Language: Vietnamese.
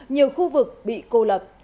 nhiều khu vực bị cô lập